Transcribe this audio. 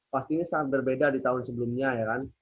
pastinya sangat berbeda di tahun sebelumnya ya kan